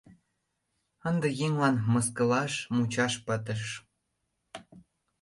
Ынде еҥлан мыскылаш мучаш пытыш!..